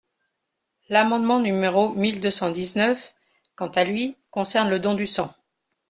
L’amendement numéro mille deux cent dix-neuf, quant à lui, concerne le don du sang.